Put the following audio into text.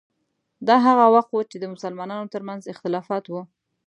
دا هغه وخت و چې د مسلمانانو ترمنځ اختلافات وو.